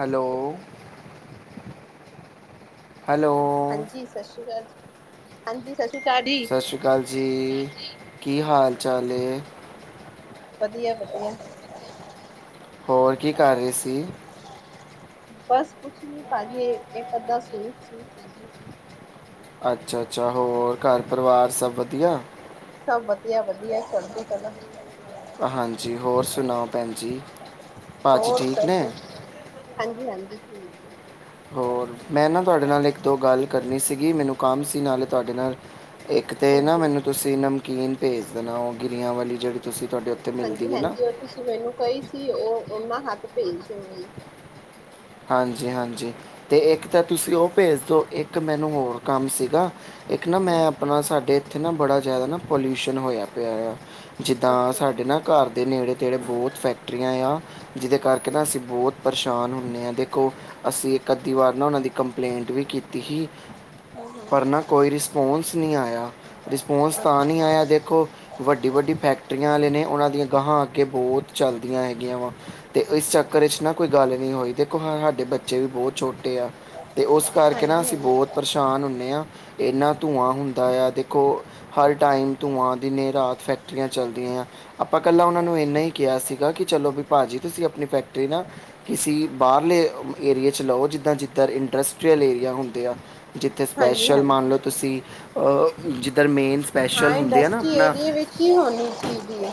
Hello hello ਹਾਂਜੀ ਸਤਿ ਸ਼੍ਰੀ ਅਕਾਲ ਜੀ ਹਾਂਜੀ ਸਤਿ ਸ਼੍ਰੀ ਅਕਾਲ ਜੀ ਸਤਿ ਸ਼੍ਰੀ ਅਕਾਲ ਜੀ ਕੀ ਹਾਲ ਚਾਲ ਏ ਵਧੀਆ ਵਧੀਆ ਹੋਰ ਕੀ ਕਰ ਰਹੀ ਸੀ ਬਸ ਕੁਛ ਨੀ ਭਾਜੀ ਇੱਕ ਅੱਧਾ ਸੂਟ ਸੀ ਸੀ ਰੀ ਸੀ ਅੱਛਾ ਅੱਛਾ ਹੋਰ ਘਰ ਪਰਿਵਾਰ ਸਭ ਵਧੀਆ ਸਭ ਵਧੀਆ ਵਧੀਆ ਚੱਲਦੀ ਕਲਾ ਹਾਂਜੀ ਹੋਰ ਸੁਣਾਓ ਭੈਣ ਜੀ ਭਾਅਜੀ ਹੋਰ ਠੀਕ ਨੇ ਸਭ ਹਾਂਜੀ ਹਾਂਜੀ ਠੀਕ ਹੈ ਹੋਰ ਮੈਂ ਨਾ ਤੁਹਾਡੇ ਨਾਲ ਇੱਕ ਦੋ ਗੱਲ ਕਰਨੀ ਸੀਗੀ, ਮੈਨੂੰ ਕੰਮ ਸੀ ਨਾਲੇ ਤੁਹਾਡੇ ਨਾਲ। ਇੱਕ ਤੇ ਨਾ ਹਾਂਜੀ ਮੈਨੂੰ ਤੁਸੀਂ ਨਮਕੀਨ ਭੇਜ ਦੇਣਾ, ਔ ਗਿਰਿਆਂ ਵਾਲੀ, ਜਿਹੜੀ ਤੁਸੀਂ ਤੁਹਾਡੇ ਉੱਥੇ ਮਿਲਦੀ ਹਾਂਜੀ ਹੈ ਨਾ ਹਾਂਜੀ ਔ ਤੁਸੀਂ ਮੈਨੂੰ ਕਹੀ ਸੀ, ਔ ਉਹਨਾਂ ਹੱਥ ਭੇਜ ਦੇਵਾਂਗੀ। ਹਾਂਜੀ ਹਾਂਜੀ, ਤੇ ਇੱਕ ਤਾਂ ਤੁਸੀਂ ਔ ਭੇਜ ਦੋ, ਇੱਕ ਇੱਕ ਮੈਨੂੰ ਹੋਰ ਕੰਮ ਸੀਗਾ, ਇੱਕ ਨਾ ਮੈਂ ਆਪਣਾ ਸਾਡੇ ਉੱਥੇ ਨਾ ਬੜਾ ਜ਼ਿਆਦਾ ਨਾ ਪੋਲਿਊਸ਼ਨ ਹੋਇਆ ਪਿਆ ਆ, ਜਿੱਦਾਂ ਅੱਛਾ ਸਾਡੇ ਨਾ ਘਰ ਦੇ ਨੇੜੇ ਤੇੜੇ ਬਹੁਤ ਫੈਕਟਰੀਆਂ ਆ ਜਿਹਦੇ ਕਰਕੇ ਨਾ, ਹਮ ਅਸੀਂ ਬਹੁਤ ਪਰੇਸ਼ਾਨ ਹੁੰਨੇ ਆਂ। ਦੇਖੋ ਅਸੀਂ ਇੱਕ ਅੱਧੀ ਵਾਰ ਨਾ ਉਹਨਾਂ ਦੀ ਕੰਪਲੇਂਟ ਵੀ ਕੀਤੀ ਸੀ ਹੋ ਪਰ ਨਾ ਕੋਈ ਰਿਸਪੋਂਸ ਨਹੀਂ ਆਯਾ, ਰਿਸਪੋਂਸ ਤਾਂ ਨਹੀਂ ਆਇਆ, ਦੇਖੋ ਵੱਡੀ ਵੱਡੀ ਫੈਕ ਫੈਕ੍ਟਰੀਆਂ ਆਲੇ ਨੇ, ਉਣਾ ਦੀਆਂ, ਗਾਹਾਂ ਅੱਗੇ ਬਹੁਤ ਚੱਲਦੀਆਂ ਹੈਗੀਆਂ ਵਾ, ਤੇ ਇਸ ਚੱਕਰ ਵਿੱਚ ਨਾ ਕੋਈ ਗੱਲ ਨੀ ਹੋਈ ਤੇ ਸਾਡੇ ਬੱਚੇ ਵੀ ਬਹੁਤ ਛੋਟੇ ਆ, ਤੇ ਉਸ ਕਰਕੇ ਨਾ ਹਾਂਜੀ ਹਾਂਜੀ ਅਸੀਂ ਬਹੁਤ ਪਰੇਸ਼ਾਨ ਹੁੰਦੇ ਹਾਂ। ਇੰਨਾ ਧੂੰਆਂ ਹੁੰਦਾ ਆ, ਦੇਖੋ ਹਰ ਟਾਈਮ ਧੂੰਆਂ, ਦਿਨੇ ਰਾਤ ਫੈਕਟਰੀਆਂ ਚੱਲਦੀਆਂ ਆ। ਆਪਾਂ ਇਕੱਲਾ ਉਹਨਾਂ ਨੂੰ ਇੰਨਾ ਹੀ ਕਿਹਾ ਸੀਗਾ, ਕਿ ਚਲੋ ਵੀ ਭਾਅ ਜੀ ਤੁਸੀਂ ਆਪਣੀ ਫੈਕਟਰੀ ਨਾ ਕਿਸੀ ਬਾਹਰਲੇ ਏਰੀਏ 'ਚ ਲਓ ਜਿੱਦਾਂ ਜਿੱਧਰ ਇੰਡਸਟਰੀਅਲ ਏਰੀਆ ਹੁੰਦੇ ਆ, ਜਿੱਥੇ ਹਾਂਜੀ ਸਪੈਸ਼ਲ ਮੰਨ ਹਾਂਜੀ ਲੋ ਤੁਸੀਂ, ਜਿੱਧਰ ਮੇਨ ਹਾਂ ਸਪੈਸ਼ਲ ਹੁੰਦੇ ਆ ਨਾ ਇੰਡਸਟਰੀ ਆਪਣਾ ਏਰੀਏ ਵਿੱਚ ਹੀ ਹੋਣੀ ਚਾਹੀਦੀ ਹੈ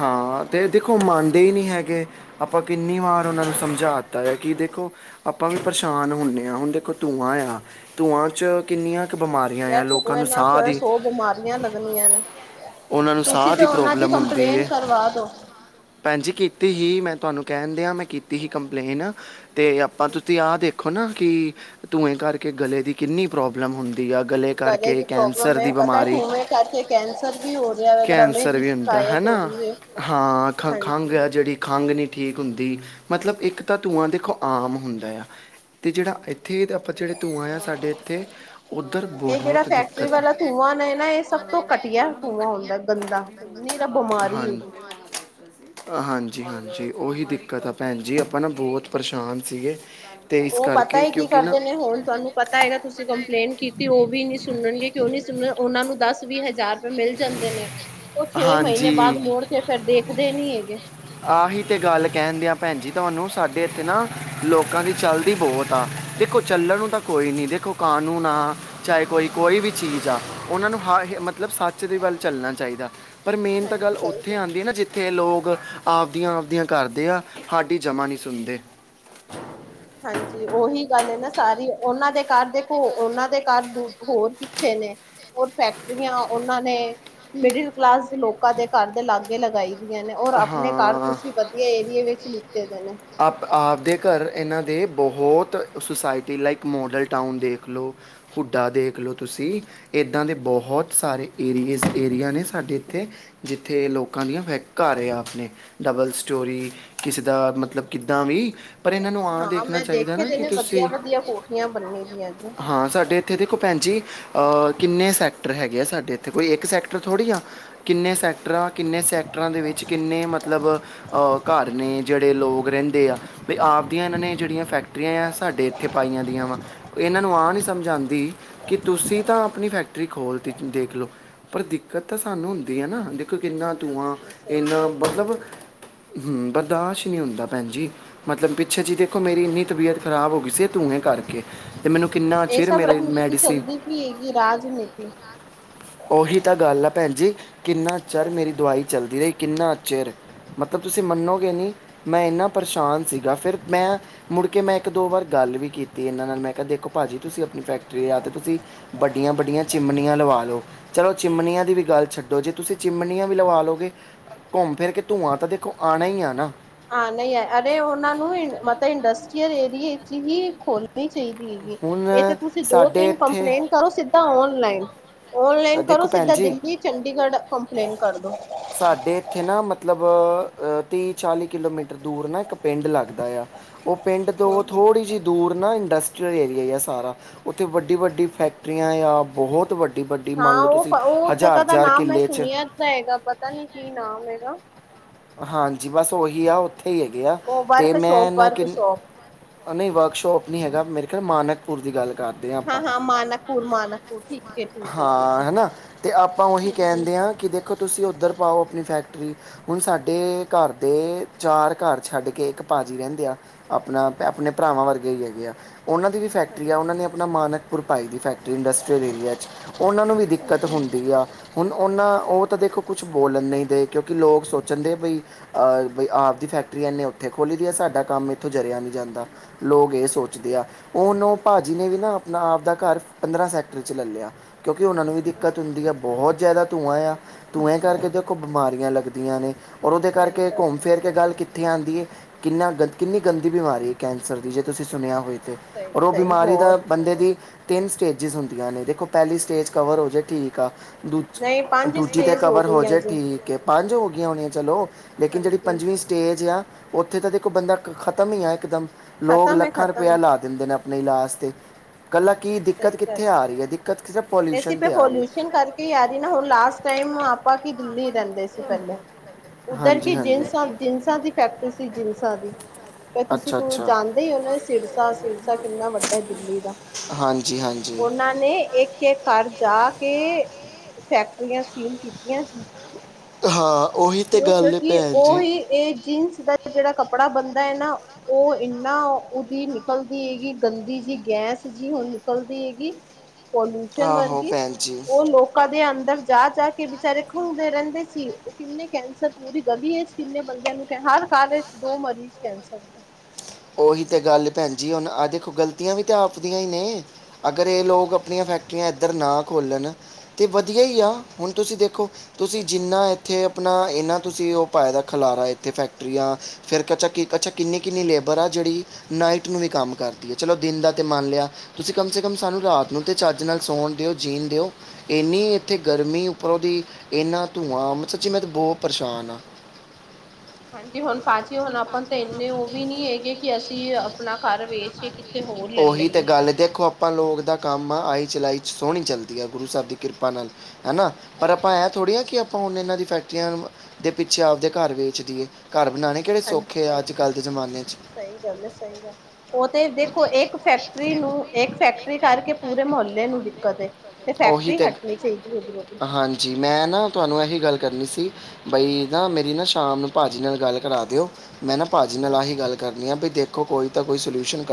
ਹਾਂ ਤੇ ਦੇਖੋ ਮੰਨਦੇ ਹੀ ਨਹੀਂ ਹੈਗੇ, ਆਪਾਂ ਕਿੰਨੀ ਵਾਰ ਉਹਨਾਂ ਨੂੰ ਸਮ ਜਾਤ ਆ ਕਿ ਦੇਖੋ ਆਪਾਂ ਵੀ ਪਰੇਸ਼ਾਨ ਹੁੰਦੇ ਹਾਂ, ਹੁਣ ਦੇਖੋ ਧੂੰਆਂ ਆ ਧੂੰਆਂ 'ਚ ਕਿੰਨੀਆਂ ਬਿਮਾਰੀਆਂ ਯਾਰ ਆ, ਲੋਕਾਂ ਧੂੰਏ ਨੂੰ ਨਾਲ ਸਾਹ ਦੀ ਸੌ ਬਿਮਾਰੀਆਂ ਲੱਗਣੀਆਂ ਨੇ ਉਹਨਾਂ ਨੂੰ ਤੁਸੀਂ ਸਾਹ ਤੇ ਦੀ ਉਹਨਾਂ ਪ੍ਰੋਬਲਮ ਹੁੰਦੀ ਏ, ਕੰਪਲੇਂਟ ਕਰਵਾ ਦੋ ਭੈਣ ਜੀ ਕੀਤੀ ਸੀ ਮੈਂ ਤੁਹਾਨੂੰ ਕਹਿਣ ਦੇਆਂ ਮੈਂ ਕੀਤੀ ਸੀ ਕੰਪਲੇਨ, ਅਤੇ ਆਪਾਂ ਤੁਸੀਂ ਆਹ ਦੇਖੋ ਔਨਾ ਕਿ ਧੂੰਏ ਕਰਕੇ, ਗਲੇ ਦੀ ਕਿੰਨੀ ਪ੍ਰੋਬਲਮ ਹੁੰਦੀ ਆ ਗਲੇ ਕਰਕੇ ਦੀ ਪ੍ਰੋਬਲਮ ਕੈਂਸਰ ਹੈ, ਦੀ ਪਤਾ ਬਿਮਾਰੀ ਧੂਏ ਕਰਕੇ ਕੈਂਸਰ ਵੀ ਹੋ ਰਿਹਾ ਹੈ, ਦਮੇ ਕੈਂਸਰ ਦੀ ਵੀ ਹੁੰਦਾ ਸ਼ਿਕਾਯਤ ਹੈ ਸਿਹਤ ਨਾ ਹੋ ਰਹੀ ਹੈ ਹਾਂ ਖ ਖੰਘ ਹਾਂਜੀ ਆ, ਜਿਹੜੀ ਖੰਘ ਨੀ ਠੀਕ ਹੁੰਦੀ ਮਤਲਬ ਇੱਕ ਤਾਂ ਧੂੰਆਂ ਦੇਖੋ ਆਮ ਹੁੰਦਾ ਆ, ਤੇ ਜਿਹੜਾ ਇੱਥੇ ਤਾਂ ਆਪਾਂ ਜਿਹੜੇ ਧੂੰਆਂ ਆ, ਸਾਡੇ ਇੱਥੇ, ਉੱਧਰ ਇਹ ਜਿਹੜਾ ਬਹੁਤ ਫੈਕਟਰੀ ਦਿੱਕਤ ਵਾਲਾ ਧੂੰਆਂ ਨੇ ਨਾ ਇਹ ਸਭ ਤੋਂ ਘਟੀਆ ਧੂੰਆਂ ਹਾਂਜੀ ਹੁੰਦਾ ਗੰਦਾ ਨੀਰਾ ਬਿਮਾਰੀ ਹੈਗੀ ਹਾਂਜੀ ਹਾਂਜੀ ਉਹੀ ਦਿੱਕਤ ਆ ਭੈਣ ਜੀ, ਆਪਾਂ ਨਾ ਬਹੁਤ ਪਰੇਸ਼ਾਨ ਸੀਗੇ ਤੇ ਇਸ ਔ ਪਤਾ ਕਰਕੇ ਹੈ ਕੀ ਕਿਉਂਕਿ ਨਾ ਕਰਦੇ ਨੇ, ਹੁਣ ਤੁਹਾਨੂੰ ਪਤਾ ਹੈਗਾ ਤੁਸੀਂ ਕੰਪਲੇਂਟ ਕੀਤੀ, ਉਹ ਵੀ ਨੀ ਸੁਣਨਗੇ ਕਿਉਂ ਨਹੀਂ ਸੁਣ ਰਹੇ, ਉਹਨਾਂ ਨੂੰ ਦਸ ਵੀਹ ਹਜ਼ਾਰ ਚ ਮਿਲ ਜਾਂਦੇ ਨੇ, ਔ ਦੇ ਛੇ ਮਹੀਨੇ ਹਾਂਜੀ ਬਾਅਦ ਮੁੋੜ ਕੇ ਫੇਰ ਦੇਖਦੇ ਨੀ ਹੈਗੇ। ਆਹੀ ਤੇ ਗੱਲ ਕਹਿਣ ਦਿਆਂ ਭੈਣ ਜੀ ਤੁਹਾਨੂੰ, ਸਾਡੇ ਇੱਥੇ ਨਾ ਲੋਕਾਂ ਦੀ ਚਲਦੀ ਬਹੁਤ ਆ। ਦੇਖੋ ਚੱਲਣ ਨੂੰ ਤਾਂ ਕੋਈ ਨਹੀਂ, ਦੇਖੋ ਕਾਨੂੰਨ ਆ, ਚਾਹੇ ਕੋਈ ਕੋਈ ਵੀ ਚੀਜ਼ ਆ ਉਹਨਾਂ ਨੂੰ ਹ ਮਤਲਬ ਸੱਚ ਦੇ ਵੱਲ ਚੱਲਣਾ ਚਾਹੀਦਾ, ਪਰ ਮੇਨ ਤਾਂ ਹਾਂਜੀ ਗੱਲ ਸਹੀ ਉੱਥੇ ਆਉਂਦੀ ਹੈ ਨਾ ਜਿੱਥੇ ਲੋਕ ਆਪਦੀਆਂ ਆਪਦੀਆਂ ਕਰਦੇ ਆ, ਸਾਡੀ ਜਮ੍ਹਾਂ ਨਹੀਂ ਸੁਣਦੇ। ਹਾਂਜੀ ਉਹੀ ਗੱਲ ਨਾ ਸਾਰੀ, ਉਹਨਾਂ ਦੇ ਘਰ ਦੇਖੋ ਉਹਨਾਂ ਦੇ ਘਰ ਦ ਹੋਰ ਕਿੱਥੇ ਹੋਰ ਫੈਕਟਰੀਆਂ ਉਹਨਾਂ ਨੇ ਮਿਡਲ ਕਲਾਸ ਲੋਕਾਂ ਦੇ ਘਰ ਦੇ ਲਾਗੇ ਲਗਾਈ ਨੇ ਔਰ ਆਪਣੇ ਘਰ, ਹਾਂ ਤੁਸੀਂ ਵਧੀਆ ਏਰੀਏ ਵਿੱਚ ਲਿਫ ਆਪ ਆਪ ਦੇ ਘਰ ਇਹਨਾਂ ਦੇ ਬਹੁਤ ਸੁਸਾਇਟੀ ਲਾਈਕ ਮੋਡਲ ਟਾਊਨ ਦੇਖ ਲਓ, ਹੁੱਡਾ ਦੇਖ ਦੇਖ ਲਓ ਤੁਸੀਂ ਇੱਦਾਂ ਦੇ ਬਹੁਤ ਸਾਰੇ ਏਰੀਏਜ਼ ਏਰੀਆ ਨੇ ਸਾਡੇ ਇੱਥੇ, ਜਿੱਥੇ ਲੋਕਾਂ ਦੀਆਂ ਫੈ ਘਰ ਆਪਣੇ ਡਬਲ ਸਟੋਰੀ, ਕਿਸੇ ਦਾ ਮਤਲਬ ਕਿੱਦਾਂ ਵੀ ਪਰ ਇਹਨਾਂ ਨੂੰ ਆ ਹਾਂ ਦੇਖਣਾ ਮੈਂ ਚਾਹੀਦਾ ਦੇਖੇ ਨਾ ਦੇ ਕਿ ਨੇ ਵਧੀਆ ਤੁਸੀਂ ਵਧੀਆ ਕੋਠੀਆਂ ਬੰਨੀ ਦੀਆਂ ਜੀ ਹਾਂ ਸਾਡੇ ਇੱਥੇ ਦੇਖੋ ਭੈਣ ਜੀ, ਅਹ ਕਿੰਨੇ ਸੈਟ ਸੈਕਟਰ ਹੈਗੇ ਆ ਸਾਡੇ ਇੱਥੇ, ਕੋਈ ਇੱਕ ਸੈਕਟਰ ਥੋੜ੍ਹੀ ਆ ਕਿੰਨੇ ਸੈਕਟਰ ਆ, ਕਿੰਨੇ ਸੈਕਟਰਾਂ ਦੇ ਵਿੱਚ ਕਿੰਨੇ ਮਤਲਬ ਤਲਬ ਔ ਘਰ ਨੇ ਜਿਹੜੇ ਲੋ ਰਹਿੰਦੇ ਆ, ਵੀ ਆਪ ਦੀਆਂ ਇਹਨਾਂ ਨੇ ਜਿਹੜੀਆਂ ਫੈਕਟਰੀਆਂ ਆ, ਸਾਡੇ ਇੱਥੇ ਪਾਈਆਂ ਦੀਆਂ ਵਾ। ਇਹਨਾਂ ਨੂੰ ਆ ਨਹੀਂ ਸ ਮਝ ਆਂਦੀ ਕਿ ਤੁਸੀਂ ਤਾਂ ਆਪਣੀ ਫੈਕਟਰੀ ਖੋਲਤੀ ਦੇਖਲੋ ਪਰ ਦਿੱਕਤ ਤਾਂ ਸਾਨੂੰ ਹੁੰਦੀ ਐ ਨਾ। ਦੇਖੋ ਕਿੰਨਾ ਧੂੰਆਂ ਸਹੀ ਇੰਨਾ ਗੱਲ ਮਤਲਬ, ਬਰਦਾਸ਼ਤ ਨੀ ਹੁੰਦਾ। ਭੈਣ ਜੀ ਮਤਲਬ ਪਿੱਛੇ ਜਿਹੀ ਦੇਖੋ ਮੇਰੀ ਇੰਨੀ ਤਬੀਅਤ ਖ਼ਰਾਬ ਹੋ ਗਈ ਸੀ ਧੂੰਏ ਕਰਕੇ ਤੇ ਮੈਨੂੰ ਕਿੰਨਾ ਇਹ ਚਿਰ ਸਭ ਮੇਰੇ ਰਾਜਨੀਤੀ ਮੈਡੀਸੀ ਚੱਲਦੀ ਪਈ ਹੈਗੀ ਰਾਜਨੀਤੀ ਉਹੀ ਤਾਂ ਗੱਲ ਆ ਪੈਣ ਜੀ ਕਿੰਨਾ ਚਿਰ ਮੇਰੀ ਦਵਾਈ ਚਲਦੀ ਰਹੀ, ਕਿੰਨਾ ਚਿਰ ਮਤਲਬ ਤੁਸੀਂ ਮੰਨੋਗੇ ਨੀ ਮੈਂ ਇਨਾ ਪਰੇਸ਼ਾਨ ਸੀਗਾ ਫਿਰ ਮੈਂ ਮੁੜਕੇ ਮੈਂ ਇੱਕ ਦੋ ਵਾਰ ਗੱਲ ਵੀ ਕੀਤੀ ਇਹਨਾਂ ਨਾਲ ਮੈਂ ਕਿਹਾ ਦੇਖੋ ਪਾਜੀ ਤੁਸੀਂ ਫੈਕਟਰੀਆਂ ਯਾਂ ਤੇ ਤੁਸੀਂ ਬੱਡੀਆਂ-ਬੱਡੀਆਂ ਚਿਮਨੀਆਂ ਲਵਾ ਲਓ ਚਲੋ ਚਿਮਨੀਆਂ ਦੀ ਵੀ ਗੱਲ ਛੱਡੋ ਜੇ ਤੁਸੀਂ ਚਿਮਨੀਆਂ ਵੀ ਲਵਾ ਲਓਗੇ ਘੁੰਮ ਫਿਰ ਕੇ ਧੂੰਆਂ ਤਾਂ ਦੇਖੋ ਆਣਾ ਹੀ ਆਣਾ। ਹਾਂ ਨਹੀਂ ਅਰੇ ਉਹਨਾਂ ਨੂੰ ਮਤਲਬ ਇੰਡਸਟਰੀਅਲ ਏਰੀਏ ਚ ਹੀ ਖੋਲਣੀ ਚਾਹੀਦੀ ਹੈਗੀ ਹੁਣ ਇਹ ਤਾਂ ਤੁਸੀਂ ਦੋ ਸਾਡੇ ਤਿੰਨ ਇੱਥੇ ਕੰਪਲੇਂਟ ਕਰੋ ਸਿੱਧਾ ਓਲਾਇਨ ਅ, ਓਨਲਾਇਨ ਕਰੋ ਦੇਖੋ ਭੈਣ ਸਿੱਧਾ ਜੀ ਦਿੱਲੀ ਚੰਡੀਗੜ੍ਹ ਕੰਪਲੇਨ ਕਰਦੋ ਸਾਡੇ ਇੱਥੇ ਨਾ ਮਤਲਬ ਤੀਹ-ਚਾਲੀ ਕਿਲੋਮੀਟਰ ਦੂਰ ਨਾ ਇੱਕ ਪਿੰਡ ਲੱਗਦਾ। ਉਹ ਪਿੰਡ ਤੋਂ ਥੋੜ੍ਹੀ ਜਿਹੀ ਦੂਰ ਨਾ ਇੰਡਸ ਇੰਡਸਟਰਿਯਲ ਏਰੀਆ ਹੀ ਸਾਰਾ ਉੱਥੇ ਵੱਡੀ-ਵੱਡੀ ਫੈਕਟਰੀਆਂ ਬਹੁਤ ਵੱਡੀ। ਵੱਡੀ ਹਾਂ ਮੰਨ ਲਓ ਤੁਸੀਂ ਉਹ-ਉਹ ਹਜ਼ਾਰ ਜਗ੍ਹਾ ਦਾ ਹਜ਼ਾਰ ਨਾਮ ਮੈਂ ਕਿੱਲੇ ਚ ਸੁਣਿਆ ਤਾਂ ਹੈਗਾ। ਪਤਾ ਨੀ ਕੀ ਨਾਮ ਹੈਗਾ? ਹਾਂਜੀ ਬਸ ਉਹੀ ਆ ਉੱਥੇ ਹੀ ਹੈਗੇ ਆ ਉਹ ਤੇ ਵਰਕ ਮੈਂ ਸ਼ੋਪ ਇਹਨਾਂ ਵਰਕ ਕਿਨ ਸ਼ੋਪ ਨਹੀਂ ਵਰਕਸ਼ੋਪ ਨਹੀਂ ਹੈਗਾ ਮੇਰੇ ਖਿਆਲ ਮਾਨਕਪੁਰ ਦੀ ਗੱਲ ਕਰਦੇ ਹਾਂ ਆਪਾਂ ਮਾਨਕਪੁਰ ਮਾਨਕਪੁਰ ਠੀਕ ਹੈ ਠੀਕ ਹੈ ਹਾਂ ਹਨਾ ਤੇ ਆਪਾਂ ਉਹੀ ਠੀਕ ਹੈ ਕਹਿੰਦੇ ਹਾਂ। ਕਿ ਦੇਖੋ ਤੁਸੀਂ ਉੱਧਰ ਪਾਓ ਆਪਣੀ ਫੈਕਟਰੀ ਹੁਣ ਸਾਡੇ ਘਰ ਦੇ ਚਾਰ ਘਰ ਛੱਡ ਕੇ ਇੱਕ ਪਾਜੀ ਰਹਿੰਦੇ ਆ ਆਪਣਾ ਆਪਣੇ ਭਰਾ ਭਰਾਵਾਂ ਵਰਗੇ ਹੀ ਹੈਗੇ ਆ। ਉਹਨਾਂ ਦੀ ਵੀ ਫੈਕਟਰੀ ਆ। ਉਹਨਾਂ ਹਾਂਜੀ ਨੇ ਆਪਣਾ ਮਾਨਕਪੁਰ ਪਾਈ ਤੀ ਫੈਕਟਰੀ, ਇੰਡਸਟਰੀਅਲ ਏਰੀਆ ਚ। ਉਹਨਾਂ ਨੂੰ ਵੀ ਦਿੱਕਤ ਹੁਣ ਹੁੰਦੀ ਆ। ਹੁਣ ਉਹਨਾਂ ਉਹ ਤਾਂ ਦੇਖੋ ਕੁਛ ਬੋਲਣ ਨਹੀਂ ਦੇ, ਕਿਉਂਕਿ ਲੋਕ ਸੋ ਚੰਲੇ ਬਈ, ਅ ਬਈ, ਆਪਦੀ ਫੈਕਟਰੀੱ ਐਨੇ ਔ ਦੇਖੋਲੀ ਜੀ, ਸਾਡਾ ਕੰਮ ਇੱਥੋਂ ਜਰਿਆ ਨੀ ਜਾਂਦਾ। ਲੋਕ ਇਹ ਸੋ ਉਹਨ ਉਹ ਭਾਜੀ ਨੇ ਵੀ ਨਾ ਆਪਣਾ ਆਵਦਾ ਘਰ ਪੰਦਰਾਂ ਸੈਕਟਰ 'ਚ ਲੈ ਲਿਆ। ਕਿਉਂਕਿ ਉਹਨਾਂ ਨੂੰ ਵੀ ਦਿੱਕਤ ਹੁੰਦੀ ਆ, ਬਹੁਤ ਜ਼ਿਆਦਾ ਧੂੰਆਂ ਆ। ਧੂੰਐ ਕਰਕੇ ਦੇਖੋ, ਬਿਮਾਰੀਆਂ ਲੱਗਦੀਆਂ ਨੇ। ਔਰ ਉਹਦੇ ਸਹੀ ਕਰਕੇ ਗੱਲ ਘੁੰਮ ਹੈ, ਫੇਰ ਕੇ ਗੱਲ ਕੀ ਉੱਥੇ ਆਂਦੀ ਐ। ਕਿੰਨਾ ਗੰ ਕਿੰਨੀ ਗੰਦੀ ਬਿਮਾਰੀ ਐ ਕੈਂਸਰ ਦੀ ਜੇ ਤੁਸੀਂ ਸੁਣਿਆ ਹੋਏ। ਔਰ ਸਹੀ ਉਹ ਸਹੀ ਬਿਮਾਰੀ ਦਾ ਬਹੁਤ ਬੰਦੇ ਦੀ ਤਿੰਨ ਸਟੇਜਿਸ ਹੁੰਦੀਆਂ ਨੇ, ਦੇਖੌ ਪਹਿਲੀ ਸਟੇਜ ਕਵਰ ਹੋ ਜੇ, ਠੀਕ ਆ। ਨਹੀਂ ਪੰਜ ਦੂਜ---ਦੂਜੀ 'ਤੇ ਸਟੇਜ ਕਵਰ ਹੋ ਗਈ ਜੇ, ਅਜੇ ਠੀਕ ਏ। ਪੰਜ ਹੋ ਗਈਆਂ ਹੋਣੀਆ ਚਲੋ ਲੇਕਿਨ ਜੇੜੀ ਹਾਂਜੀ ਪੰਜਵੀਂ ਸਟੇਜ ਆ ਉੱਥੇ ਤਾਂ ਦੇਖੋ ਬੰਦਾ ਖ ਖ਼ਤਮ ਈ ਆ, ਇਕਦਮ ਲੋਕ ਖਤਮ ਹੈ ਲੱਖਾਂ ਰੁਪਇਆ ਖਤਮ ਲਾ ਦਿੰਦੇ ਨੇ ਨਹੀਂ ਲਾਾਸ ਤੇ- ਨਹੀਂ ਦਿੱਕਤ ਕਿੱਥੇ ਆ ਰਹੀ ਐ? ਦਿੱਕਤ- ਕਿਸੇ ਐਸੀ ਪੋਲੂਸ਼ਨ ਤੇ ਆ ਰਹੀ ਹੈ ਪੋਲਯੂਸ਼ਨ ਕਰਕੇ ਈ ਆ ਰਹੀ ਨਾ, ਹੁਣ ਲਾਸਟ ਟਾਈਮ ਆਪਾਂ ਕੀ ਦਿੱਲੀ ਰਹਿੰਦੇ ਸੀ ਪਹਿਲੇ [unintelligible] ਉਧਰ ਕੀ ਹਾਂਜੀ ਜਿਨਸਾਂ, ਜਿਨਸਾਂ ਦੀ ਫੈਕਟਰੀ ਸੀ, ਜਿਨਸਾਂ ਦੀ। ਤੁਸੀਂ, ਅੱਛਾ ਤੂੰ ਅੱਛਾ ਜਾਣਦੇ ਹੀ ਉਹ ਨਾ, ਸਿਰਸਾ, ਸਿਰਸਾ ਕਿੰਨਾ ਵੱਡਾ ਐ ਦਿੱਲੀ ਦਾ। ਹਾਂਜੀ ਹਾਂਜੀ ਉਹਨਾਂ ਨੇ ਇੱਕ-ਇੱਕ ਘਰ ਜਾ ਕੇ। ਫੈਕਟਰੀਆਂ ਸੀਲ ਕੀਤੀਆਂ ਜੇ ਹਾਂ। ਉਹੀ ਤੇ ਕਿਉ ਗੱਲ ਹੈ ਕਿਉਂਕਿ ਭੈਣ ਜੀ ਉਹਹੀ ਏ ਜੀਨਸ ਦਾ ਜਿਹੜਾ ਕਪੜਾ ਬਣਦਾ ਹੈ ਨਾ, ਉਹ ਇੰਨਾ ਓਦੀ ਨਿਕਲਦੀ ਹੈਗੀ ਗੰਦੀ ਗੈਸ ਜੀ, ਹੁਣ ਨਿਕਲਦੀ ਹੈਗੀ। ਪੋਲਿਊਸ਼ਨ ਆਹੋ ਵਰਗੀ ਭੈਣ ਜੀ ਉਹ ਲੋਕਾਂ ਦੇ ਅੰਦਰ ਜਾ ਜਾ ਕੇ ਵਿਚਾਰੇ ਖੁਲਦੇ ਰਹਿੰਦੇ ਸੀ ਉਹ ਕਿੰਨੇ ਕੈਂਸਰ, ਪੂਰੀ ਗਲ਼ੀ ਵਿਚ ਕਿੰਨੇ ਬੰਦਿਆ ਨੂੰ, ਕ ਹਰ ਘਰ ਵਿੱਚ ਦੋ ਮਰੀਜ ਕੈਂਸਰ ਦੇ। ਉਹੀ ਤੇ ਗੱਲ ਐ ਭੈਣ ਜੀ, ਹੁਣ ਆਹ ਦੇਖੋ, ਗ਼ਲਤੀਆਂ ਵੀ ਤਾਂ ਆਪਦੀਆਂ ਹੀ ਨੇ। ਅਗਰ ਇਹ ਲੋਕ ਆਪਣੀਆਂ ਫੈਕਟਰੀਆਂ ਇੱਧਰ ਨਾ ਖੋੱਲਣ। ਤੇ ਵਧੀਆ ਹੀ ਆ। ਹੁਣ ਤੁਸੀਂ ਦੇਖੋ, ਤੁਸੀਂ ਜਿੰਨਾ ਇੱਥੇ ਆਪਣਾ, ਇਨਾ ਤੁਸੀਂ ਉਹ ਪਏ ਦਾ ਖਲ ਇੱਥੇ ਫੈਕਟਰੀਆਂ ਫੇਰ ਕੱਚਾ ਕਿ ਕੱਚਾ, ਕਿੰਨੀ ਕਿੰਨੀ [unintelligible] ਬਰਾ ਜਿਹੜੀ ਨਾਈਟ ਨੂੰ ਵੀ ਕੰਮ ਕਰਦੀ ਐ। ਚਲੋ ਦਿਨ ਦਾ ਤੇ ਮੰਨ ਲਿਆ, ਤੁਸੀਂ ਕਮ ਸੇ ਕਮ ਸਾਨੂੰ ਰਾਤ ਨੂੰ ਤਾਂ ਛ ਚੱਜ ਨਾਲ ਸੌਣ ਦਿਓ, ਜੀਣ ਦਿਓ। ਇੰਨੀ ਇੱਥੇ ਗਰਮੀ, ਉੱਪਰੋਂ ਦੀ ਇੰਨਾ ਧੂੰਆਂ ਮੈਂ ਬੋਹ ਪਰੇਸ਼ਾਨ ਆ। ਹਾਂਜੀ, ਹੁਣ ਪਾਚੀ, ਹੁਣ ਆਪਾਂ ਨੂੰ ਤਾਂ ਇੰਨੇ ਉਹ ਵੀ ਨੀ ਹੈਗੇ ਕਿ ਅਸੀਂ ਆਪਣਾ ਘਰ ਵੇਚ ਹੋਰ ਲੈ ਉਹੀ ਤੇ ਲਈਏ ਗੱਲ ਐ, ਦੇਖੋ ਅ ਪਾਂ ਲੋਕ ਦਾ ਕੰਮ ਆਈ, ਚਲਾਈ 'ਚ ਸੋਹਣੀ ਚੱਲਦੀ ਐ, ਗੁਰੂ ਸਾਹਿਬ ਦੀ ਕਿਰਪਾ ਨਾਲ। ਹੈ ਨਾ, ਪਰ ਹਾਂਜੀ ਆਪਾਂ ਹਾਂਜੀ ਐਂ ਥੋੜ੍ਹੀ ਆ ਕਿ ਆਪਾਂ ਹੁਣ ਇਹਨਾਂ ਦੀ ਫੈਕਟਰੀਆਂ ਦੇ ਪਿੱਛੇ ਆਪਦੇ ਘਰ ਵੇਚਦੀਏ। ਘਰ ਬਨਾਣੇ ਕਿਹੜੇ ਹਾਂਜੀ ਸੌਖੇ ਆ ਸਹੀ ਅੱਜਕੱਲ ਦੇ ਜ਼ਮਾਨੇ 'ਚ। ਸਹੀ ਗੱਲ ਹੈ ਸਹੀ ਗੱਲ ਉਹ ਤੇ ਦੇਖੋ, ਇੱਕ ਫੈਕਟਰੀ ਨੂੰ ਇੱਕ ਫੈਕਟਰੀ ਕਰਕੇ ਪੂਰੇ ਮੁਹੱਲੇ ਨੂੰ ਦਿੱਕਤ ਐ। ਉਹੀ ਤੇ, ਹਾਂਜੀ, ਮੈਂ ਨਾ ਤੁਹਾਨੂੰ ਇਹੀ ਗੱਲ ਕਰਨੀ ਸੀ, ਬਾਈ। ਨਾ ਮੇਰੀ ਨਾ, ਸ਼ਾਮ ਨੂੰ ਭਾਜੀ ਨਾਲ ਗੱਲ ਕਰਾ ਦਿਓ। ਮੈਂ ਨਾ ਭਾਜੀ ਨਾਲ ਆਹੀ ਗੱਲ ਕਰਨੀ ਆ ਬੀ, ਦੇਖੋ ਕੋਈ ਤਾਂ ਕੋਈ ਸੋਲਿਊਸ਼ਨ ਕ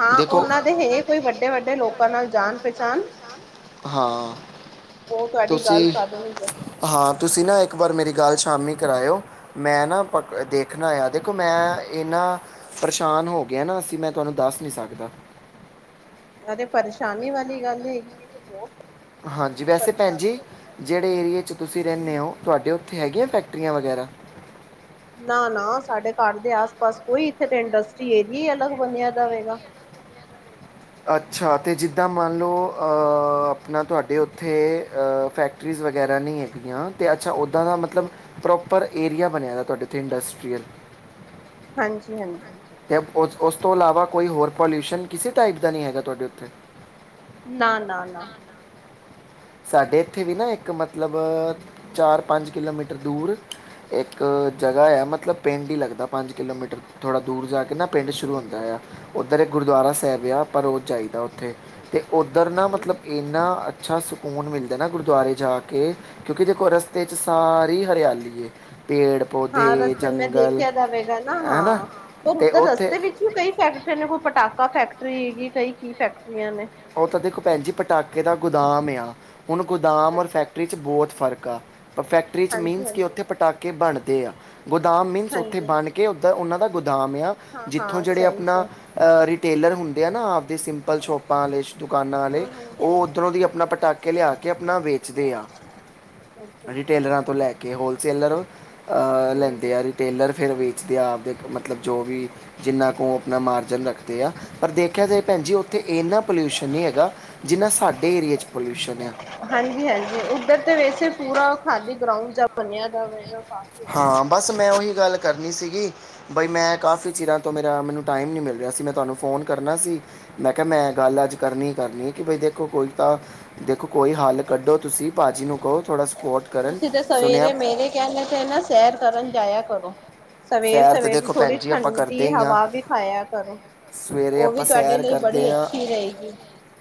ਹਾਂ, ਉਹਨਾਂ ਦੇ ਹੇ ਕੋਈ ਵੱਡੇ-ਵੱਡੇ ਲੋਕਾਂ ਨਾਲ ਜਾਣ-ਪਹਿਚਾਣ। ਪਛਾਣ ਹਾਂ, ਗੱਲ ਤੁਸੀਂ ਕਰਨਗੇ ਹਾਂ। ਤੁਸੀਂ ਨਾ ਇੱਕ ਵਾਰ ਮੇਰੀ ਗੱਲ ਸ਼ਾਮੀ ਕਰਾਯੋ। ਮੈਂ ਨਾ ਪਕ ਦੇਖਣਾ ਆ, ਦੇਖੋ ਮੈਂ ਇਹਨਾਂ ਪਰੇਸ਼ਾਨ ਹੋ ਗਿਆ ਨਾ। ਅਸੀਂ ਮੈਂ ਤੁਹਾਨੂੰ ਦੱਸ ਨੀ ਸਕਦਾ। ਅ ਤੇ ਪਰੇਸ਼ਾਨੀ ਵਾਲੀ ਗੱਲ ਹੈਗੀ। ਇਹ ਤੇ ਬਹੁ ਹਾਂਜੀ, ਵੈਸੇ ਭੈਣ ਜੀ, ਜਿਹੜੇ ਏਰੀਏ 'ਚ ਤੁਸੀਂ ਰਹਿਣੇ ਗੱਲ ਔ, ਤੁਹਾਡੇ ਹੈਗੀਆਂ ਫੈਕਟਰੀਆਂ ਵਗੈਰਾ? ਨਾ ਨਾ ਸਾਡੇ ਘਰ ਦੇ ਆਸ ਪਾਸ ਕੋਈ ਇੱਥੇ ਤੇ ਇੰਡਸਟਰੀ ਏਰੀਆ ਹੀ ਅਲੱਗ ਬਨਿਆ ਦਾ ਵਗਾ ਅੱਛਾ ਤੇ ਜਿੱਦਾਂ ਮੰਨ ਲਓ ਆਪਣਾ ਤੁਹਾਡੇ ਉੱਥੇ ਫੈਕਟਰੀਜ਼ ਵਗੈਰਾ ਨਹੀਂ ਹੈਗਗੀਆਂ ਅਤੇ ਅੱਛਾ ਉੱਦਾਂ ਦਾ ਮਤਲਬ ਪ੍ਰੋਪਰ ਏਰੀਆ ਬਣਿਆ ਹੈ ਤੁਹਾਡੇ ਇੱਥੇ ਇੰਡਸਟਰੀਅਲ ਹਾਂਜੀ- ਹਾਂਜੀ। ਅਤੇ ਉਸ ਉਸ ਤੋਂ ਇਲਾਵਾ ਕੋਈ ਹੋਰ ਪੋਲਿਊਸ਼ਨ ਕਿਸੇ ਟਾਈਪ ਦਾ ਨਹੀਂ ਹੈਗਾ ਤੁਹਾਡੇ ਉੱਤੇ ਨਾ ਨਾ ਨਾ ਸਾਡੇ ਇੱਥੇ ਵੀ ਨਾ ਇੱਕ ਮਤਲਬ ਚਾਰ ਪੰਜ ਕਿਲੋਮੀਟਰ ਦੂਰ ਇੱਕ ਜਗ੍ਹਾ ਹੈ ਮਤਲਬ ਪਿੰਡ ਹੀ ਲੱਦਾ ਪੰਜ ਕਿਲੋਮੀਟਰ ਥੋੜ੍ਹਾ ਦੂਰ ਜਾ ਕੇ ਕਿ ਨਾ ਪਿੰਡ ਹਮ ਹਮ ਸ਼ੁਰੂ ਹੁੰਦਾ ਹਮ ਆ ਉੱਧਰ ਇੱਕ ਗੁਰਦੁਆਰਾ ਅੱਛਾ ਸਾਹਿਬ ਆ ਪਰ ਉਹ ਜਾਈਦਾ ਉੱਥੇ ਅਤੇ ਉੱਧਰ ਨਾ ਹਮ ਹਮ ਮਤਲਬ ਇੰਨਾ ਅੱਛਾ ਸੁ ਸਕੂਨ ਮਿਲਦਾ ਨਾ ਗੁਰਦੁਆਰੇ ਜਾ ਕੇ ਕਿਉਂਕਿ ਦੇਖੋ ਰਸਤੇ 'ਚ ਸਾਰੀ ਹਰਿਆਲੀ ਤੇ ਹਾਂ ਰਸਤੇ ਮੈਂ ਦੇਖਿਆ ਜਾਵੇਗਾ ਨਾ ਹਾਂ ਪਰ ਤੇ ਉੱਧਰ ਉੱਥੇ ਰਸਤੇ ਵਿੱਚ ਵੀ ਕਈ ਫੈਕਟਰੀਆਂ ਨੇ ਪਟਾਕਾ ਫੈਕਟਰੀ ਹੈਗੀ ਕਈ ਕੀ ਫੈਕਟਰੀ ਤਦੇਖੁਪੈੀ ਪਟਾਕੇ ਦਾ ਗੋਦਾਮ ਆ ਹੁਣ ਗੋਦਾਮ ਔਰ ਅੱਛਾ ਫੈਕਟਰੀ ' ਬਹੁਤ ਫ਼ਰਕ ਫੈਕਟਰੀ 'ਚ ਹਾਂਜੀ ਮੀਨਸ ਕਿ ਹਾਂਜੀ ਉੱਥੇ ਸਰ, ਪਟਾਕੇ ਬਣਦੇ ਆ ਗੋਦਾਮ ਮੀਨਸ ਉੱਥੇ ਹਾਂਜੀ ਬਣ ਕੇ ਉੱਦਾਂ ਉਹਨਾਂ ਦਾ ਦਾਮ ਆ ਹਾਂ ਜਿੱਥੋਂ ਹਾਂ ਜਿਹੜੇ ਸਹੀ ਆਪਣਾ ਸਹੀ ਰਿਟੇਲਰ ਹੁੰਦੇ ਆ ਨਾ ਆਪਦੇ ਸਿੰਪ [unintelligible] ਦੁਕਾਨਾਂ ਵਾਲੇ ਹਮ ਹਮ ਉਹ ਉੱਧਰੋਂ ਦੀ ਆਪਣਾ ਪਟਾਕੇ ਲਿਆ ਕੇ ਆਪਣਾ ਵੇਚਦੇ ਆ ਅੱਛਾ ਅੱਛਾ ਹਮ ਰਿਟੇਲਰਾਂ ਤੋਂ ਲੈ ਕੇ ਹੋਲਸੇਲਰ ਅਹ ਲੈਂਦੇ ਆ ਹਮ ਰਿਟੇਲਰ ਫਿਰ ਵੀ ਆਪਦੇ ਮਤਲਬ ਜੋ ਵੀ ਜਿੰਨਾ ਕੁ ਆਪਣਾ ਮਾਰਜਨ ਰੱਖਦੇ ਆ ਪਰ ਦੇਖਿਆ ਜਾ ਭੈਣ ਜ ਇੰਨਾ ਪੋਲਿਊਸ਼ਨ ਨਹੀਂ ਹੈਗਾ ਜਿੰਨਾ ਸਾਡੇ ਏਰੀਏ 'ਚ ਪੋਲਿਊਸ਼ਨ ਆ ਹਾਂਜੀ ਹਾਂਜੀ ਉਧਰ ਤੇ ਵੈਸੇ ਪੂਰਾ ਖਾਲੀ ਗਰਾਉਂਡ ਜਾਂ ਬਣਿਆ ਦਾਵੇਗਾ ਹਾਂ ਬਸ ਮੈਂ ਉਹੀ ਗੱਲ ਕਰਨੀ ਸੀਗੀ ਬਈ ਮੈਂ ਕਾਫੀ ਚਿਰਾਂ ਤੋਂ ਮੇਰਾ ਮੈਨੂੰ ਟਾਈਮ ਨਹੀਂ ਮਿਲ ਰਿਹਾ ਸੀ ਮੈਂ ਤੁਹਾਨੂੰ ਫ਼ੋਨ ਕਰਨਾ ਸੀ ਮੈਂ, ਕਿਹਾ ਮੈਂ ਗੱਲ ਅੱਜ ਕਰਨੀ- ਕਰਨੀ ਕਿ ਬਈ ਦੇਖੋ, ਕੋਈ ਤਾਂ ਦੇਖੋ ਕੋਈ ਹੱਲ ਕੱਢੋ ਤੁਸੀਂ। ਭਾਜੀ, ਨੂੰ ਕਹੋ ਥੋੜਾ- ਸਪੋਰਟ ਕਰਨ ਤੁਸੀਂ, ਤਾਂ ਸੁਣਿਆ ਸਵੇਰੇ ਮੇਰੇ ਕਹਿਣ ਤੇ ਨਾ, ਸੈਰ ਕਰਨ ਜਾਇਆ ਕਰੋ। ਸਵੇਰ- ਸੈਰ ਤੇ ਸਵੇਰ ਦੀ ਦੇਖੋ ਭੈਣ ਥੋੜੀ ਜੀ ਆਪਾਂ ਠੰਡੀ ਕਰਦੇ ਹੀ ਆ ਹਵਾ ਵਿ ਖਾਇਆ ਕਰੋ। ਸਵੇਰੇ ਉਹ ਵੀ, ਆਪਾਂ ਤੁਹਾਡੇ ਸੈਰ ਲਈ ਬੜੀ ਕਰਦੇ ਹਾਂ ਅੱਛੀ ਰਹੇਗੀ।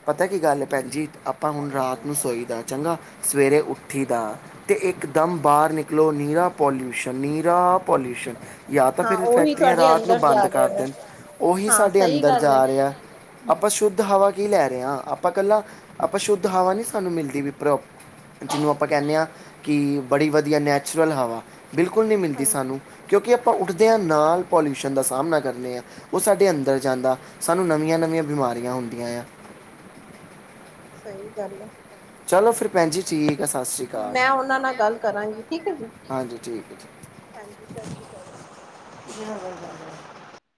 ਪਤਾ ਕੀ ਗੱਲ ਹੈ ਭੈਣ ਜੀ ਆਪਾਂ ਹੁਣ ਹਮ ਰਾਤ ਨੂੰ ਸੋਈ ਦਾ ਚੰਗਾ, ਸਵੇਰੇ ਉੱਠੀ ਦਾ ਤੇ ਇਕਦਮ ਬਾਹਰ ਨਿਕਲੋ ਨੀ- ਪੋਲਿਊਸ਼ਨ ਨੀਰਾ ਪੋਲਿਊਸ਼ਨ। ਜਾਂ, ਤਾਂ ਹਾਂ ਫੇਰ ਉਹੀ ਫੈਕਟਰੀਆਂ ਤੁਹਾਡੇ ਰਾਤ ਨੂੰ ਅੰਦਰ ਜਾ ਬੰਦ ਰਿਹਾ ਕਰ ਵੈ ਦੇਣ ਉਹੀ ਹਾਂ ਸਾਡੇ ਸਹੀ ਅੰਦਰ ਗੱਲ ਜਾ ਹੈ ਰਿਹਾ। ਆਪਾਂ ਸ਼ੁੱਧ ਹਵਾ ਕੀ ਲੈ ਰਹੇ ਹਾਂ। ਆਪਾਂ ਇਕੱਲਾ ਆਪਾਂ ਸ਼ੁੱਧ ਹਵਾ ਨੀ ਸਾਨੂੰ ਮਿਲਦੀ ਵੀ ਪਰੋ- ਜਿਹਨੂੰ ਆਪਾਂ ਕਹਿੰਦੇ ਹਾਂ। ਕਿ ਬੜੀ ਵਧੀਆ ਨੈਚੁਰਲ ਹਵਾ। ਬਿਲਕੁਲ ਨੀ ਮਿਲਦੀ ਹਾਂਜੀ ਸਾਨੂੰ ਕਿਉਂਕਿ, ਆਪਾਂ ਉੱਠਦਿਆਂ ਨਾਲ, ਪੋਲਿਊਸ਼ਨ ਦਾ ਸਾਹਮਣਾ ਕਰਨੇ ਹਾਂ। ਉਹ ਸਾਡੇ ਅੰਦਰ ਜਾਂਦਾ, ਸਾਨੂੰ ਨਵੀਆਂ- ਨਵੀਆਂ ਬਿਮਾਰ- ਸਾਰੀਆਂ ਹੁੰਦੀਆਂ ਆ। ਸਹੀ ਗੱਲ ਆ। ਚਲੋ ਫੇਰ ਭੈਣ ਜੀ। ਆ ਸਤਿ ਸ਼੍ਰੀ ਅਕਾਲ ਮੈਂ, ਉਹਨਾਂ ਨਾਲ ਗੱਲ ਕਰਾਂਗੀ। ਠੀਕ ਹੈ, ਜੀ। ਹਾਂਜੀ ਠੀਕ ਹੈ ਜੀ ਹਾਂਜੀ, ਸਤਿ ਸ੍ਰੀ ਅਕਾਲ। ਕੀ ਗੱਲ ਹਾ [unintelligible]